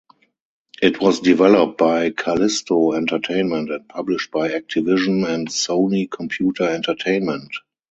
It was developed by Kalisto Entertainment and published by Activision and Sony Computer Entertainment.